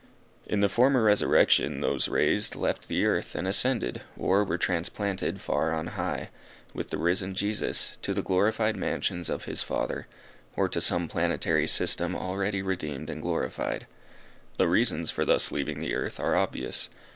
In the former resurrection, those raised left the earth and ascended, or, were transplanted far on high, with the risen Jesus, to the glorified mansions of his Father, or to some planetary system already redeemed and glorified. The reasons for thus leaving the earth are obvious.